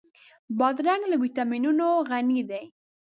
بادرنګ له ويټامینونو غني دی.